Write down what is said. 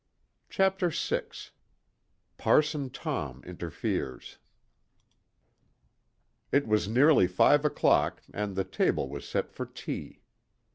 CHAPTER VI PARSON TOM INTERFERES It was nearly five o'clock and the table was set for tea.